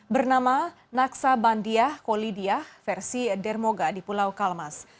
bernama naksabandiah kolidiah versi dermoga di pulau kalmas